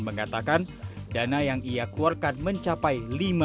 mengatakan dana yang ia keluarkan mencapai lima miliar rupiah